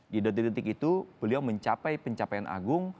di detik detik itu beliau mencapai pencapaian agung